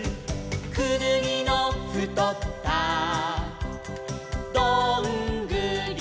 「くぬぎのふとったどんぐりは」